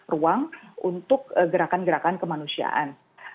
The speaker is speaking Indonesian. ruang untuk gerakan gerakan kemanusiaan